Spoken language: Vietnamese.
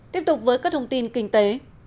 tiếp tục với các thông tin kinh tế